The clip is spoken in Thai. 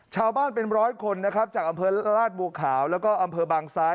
ชาวบ้านเป็นร้อยคนนะครับจากอำเภอราชบัวขาวแล้วก็อำเภอบางซ้าย